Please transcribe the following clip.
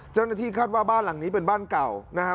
เจ้าหน้าที่คาดว่าบ้านหลังนี้เป็นบ้านเก่านะครับ